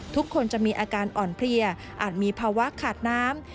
ทุกคนจะมีอาการอ่อนเพลียอาจมีภาวะขาดน้ำ